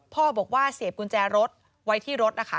พ่อบอกว่าเสียบกุญแจรถไว้ที่รถนะคะ